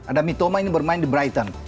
ada mitoma ini bermain di brighton